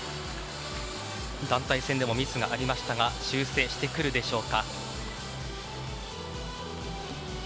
団体戦でもミスがありましたが修正してくるでしょうか。